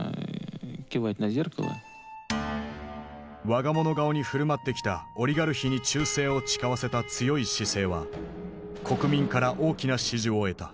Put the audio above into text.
我が物顔に振る舞ってきたオリガルヒに忠誠を誓わせた強い姿勢は国民から大きな支持を得た。